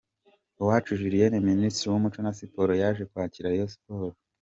Uwacu Julienne Minisitiri w'umuco na Siporo yaje kwakira Rayon Sports.